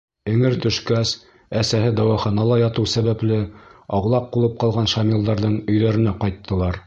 Эңер төшкәс, әсәһе дауаханала ятыу сәбәпле, аулаҡ булып ҡалған Шамилдарҙың өйҙәренә ҡайттылар.